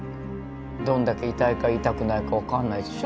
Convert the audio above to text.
どんだけ痛いか痛くないか分かんないでしょ？